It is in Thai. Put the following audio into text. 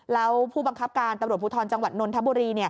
แล้วผู้บังคับการตำรวจภูทลฯจนนทบุรี